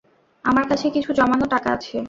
আমার কাছে কিছু জমানো টাকা আছে।